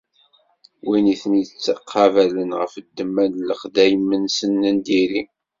Win i ten-ittɛaqaben ɣef ddemma n lexdayem-nsen n diri.